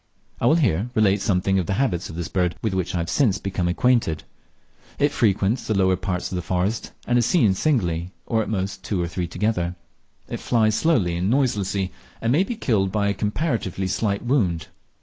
I will here relate something of the habits of this bird, with which I have since become acquainted. It frequents the lower parts of the forest, and is seen singly, or at most two or three together. It flies slowly and noiselessly, and may be killed by a comparatively slight wound.